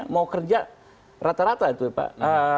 mau kerja rata rata itu pak